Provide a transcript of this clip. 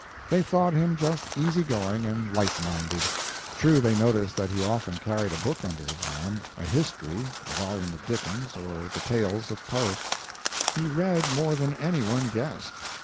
They thought him just easy going and light minded. True, they noticed that he often carried a book under his arm a history, a volume of Dickens, or the tales of Poe. He read more than any one guessed.